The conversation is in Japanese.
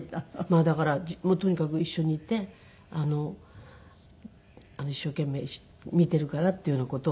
まあだからとにかく一緒にいて一生懸命見ているからっていうような事を伝えたんです。